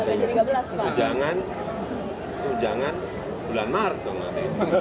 tunjangan tunjangan bulan maret